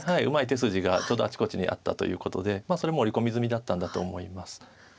うまい手筋がちょうどあちこちにあったということでそれも織り込み済みだったんだと思います。